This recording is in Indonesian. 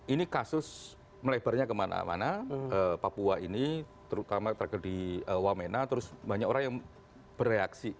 ini kasus melebarnya kemana mana papua ini terutama tragedi wamena terus banyak orang yang bereaksi